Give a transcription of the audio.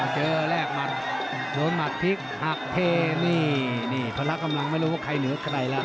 เจอแรกมันโดนหมัดพลิกหักเทนี่นี่พระรักษ์กำลังไม่รู้ว่าใครเหนือกใครล่ะ